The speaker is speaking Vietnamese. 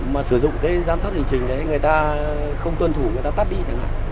mà sử dụng cái giám sát hành trình đấy người ta không tuân thủ người ta tắt đi chẳng hạn